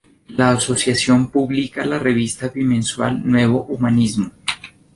La asociación publica la revista bimensual Nuevo Humanismo.